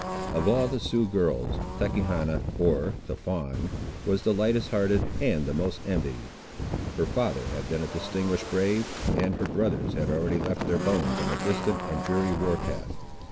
Of all the Sioux girls, Tachechana (or the Fawn) was the lightest hearted and the most envied. Her father had been a distinguished brave, and her brothers had already left their bones on a distant and dreary war path.